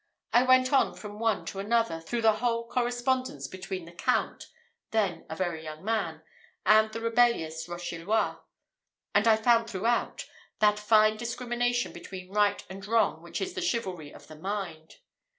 I went on from one to another, through the whole correspondence between the Count, then a very young man, and the rebellious Rochellois, and I found throughout that fine discrimination between right and wrong which is the chivalry of the mind.